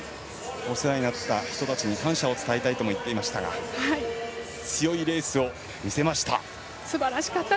お世話になった人たちに感謝を伝えたいとも言っていましたが強いレースを見せました。